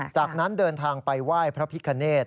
จากนั้นเดินทางไปไหว้พระพิคเนต